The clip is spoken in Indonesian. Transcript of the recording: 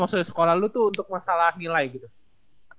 maksudnya sekolah lu tuh untuk masalah nilai gitu